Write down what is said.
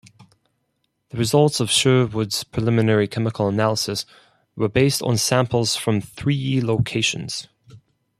The results of Sherwood's preliminary chemical analysis were based on samples from three locations.